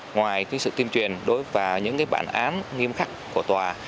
ngoài tuyên sự tuyên truyền đối với những bản án nghiêm khắc của tòa